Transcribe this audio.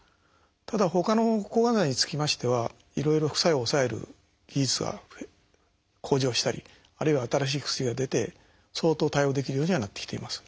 ただほかの抗がん剤につきましてはいろいろ副作用を抑える技術が向上したりあるいは新しい薬が出て相当対応できるようにはなってきています。